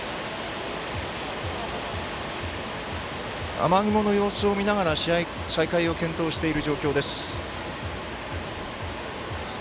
雨雲の様子を見ながら試合再開を検討している状況です。